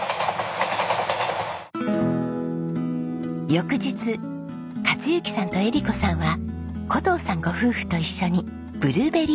翌日克幸さんと絵理子さんは古藤さんご夫婦と一緒にブルーベリー農園へ。